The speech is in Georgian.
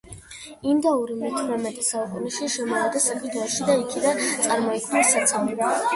ინდაური მეთვრამეტე საუკუნეში შემოვიდა საქართველოში და იქიდან წარმოიქმნა საცივი.